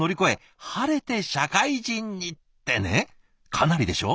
かなりでしょ？